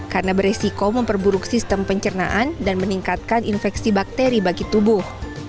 karena beresiko memperburuk sistem pencernaan dan meningkatkan infeksi bakteri bagi tubuh